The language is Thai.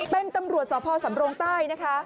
เป็นตำรวจสพสำรงใต้นะคะ